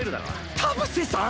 田臥さん